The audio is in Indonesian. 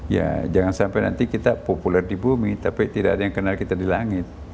ya jangan sampai nanti kita populer di bumi tapi tidak ada yang kenal kita di langit